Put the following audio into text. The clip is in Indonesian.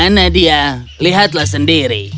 karena dia lihatlah sendiri